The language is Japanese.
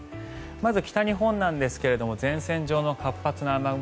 まず、北日本なんですが前線上の活発な雨雲